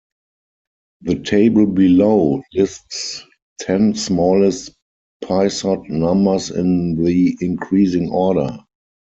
The table below lists ten smallest Pisot numbers in the increasing order.